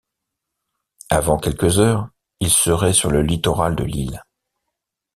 Avant quelques heures, il serait sur le littoral de l’île